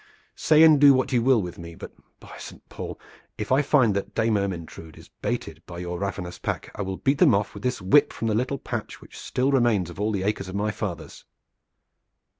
Say and do what you will with me, but by Saint Paul! if I find that Dame Ermyntrude is baited by your ravenous pack I will beat them off with this whip from the little patch which still remains of all the acres of my fathers."